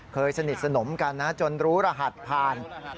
สนิทสนมกันนะจนรู้รหัสผ่าน